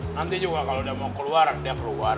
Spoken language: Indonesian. nanti juga kalo udah mau keluar dia keluar